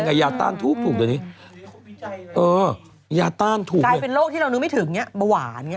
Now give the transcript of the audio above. มันกลายเป็นโลกที่เรานึกไม่ถึงเบาหวาน